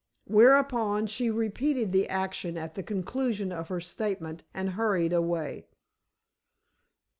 Whereupon, she repeated the action at the conclusion of her statement, and hurried away.